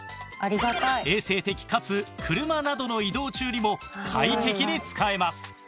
衛生的かつ車などの移動中にも快適に使えます